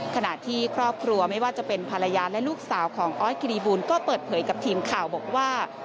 ขณะที่ครอบครัวไม่ว่าจะเป็นภรรยาและลูกสาวของออสคิริบูลก็เปิดเผยกับทีมข่าวบอกว่า